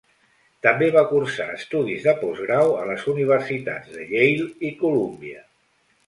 També va cursar estudis de postgrau a les universitats de Yale i Columbia.